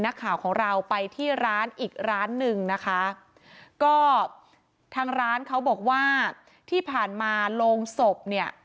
นักข่าวของเราไปที่ร้านอีกร้านหนึ่งนะคะก็ทางร้านเขาบอกว่าที่ผ่านมาโรงศพเนี่ย